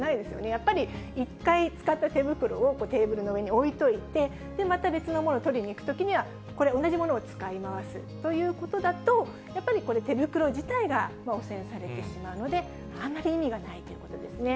やっぱり一回使った手袋をテーブルの上に置いといて、また別のものを取りに行くときには、これ、同じものを使い回すということだと、やっぱりこれ、手袋自体が汚染されてしまうので、あまり意味がないということですね。